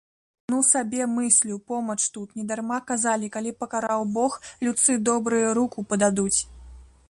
Ну сабе мыслю, помач тут, недарма казалі, калі пакараў бог, людцы добрыя руку пададуць.